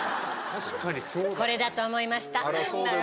これだと思いました。